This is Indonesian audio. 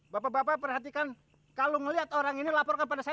bapak bapak perhatikan kalau melihat orang ini laporkan pada saya